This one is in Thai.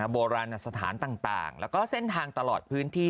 โบราณสถานต่างแล้วก็เส้นทางตลอดพื้นที่